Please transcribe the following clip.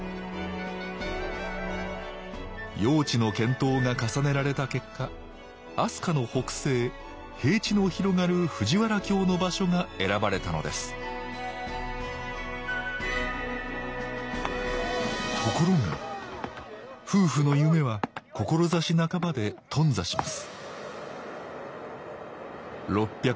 用地の検討が重ねられた結果飛鳥の北西平地の広がる藤原京の場所が選ばれたのですところが夫婦の夢は志半ばで頓挫します